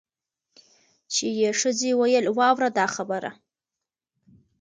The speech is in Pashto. چي یې ښځي ویل واوره دا خبره